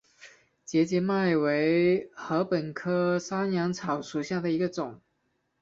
节节麦为禾本科山羊草属下的一个种。